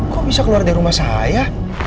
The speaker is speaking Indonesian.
kok bisa keluar dari rumah saya